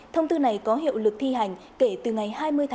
thông tư này có hiệu lực thi hành kể từ ngày hai mươi hai hai nghìn hai mươi ba